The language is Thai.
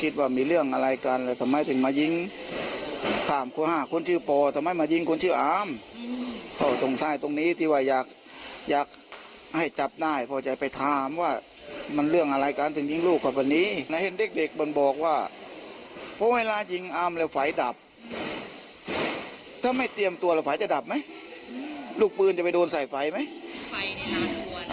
ถ้าไม่เตรียมตัวแล้วไฟจะดับไหมลูกปืนจะไปโดนใส่ไฟไหม